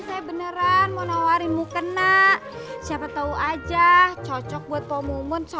saya punya penawaran buat poh mumun